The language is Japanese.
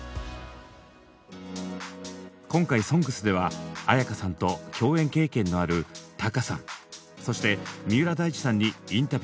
今回「ＳＯＮＧＳ」では絢香さんと共演経験のあるＴａｋａさんそして三浦大知さんにインタビューを敢行。